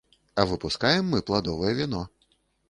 А выпускаем мы пладовае віно.